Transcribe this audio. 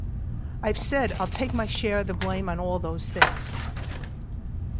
I've said I'll take my share of the blame on all those things.